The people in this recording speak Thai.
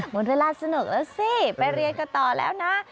หมดเวลาสนุกแล้วสิไปเรียนกันต่อแล้วนะ